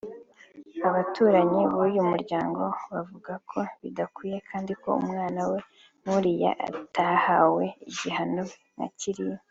Abaturanyi b’uyu muryango bavuga ko bidakwiye kandi ko umwana we nk’uriya atagahwe igihano nkakiriya